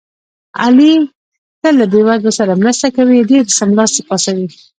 علي له تل له بې وزلو سره مرسته کوي. ډېر څملاستلي پاڅوي.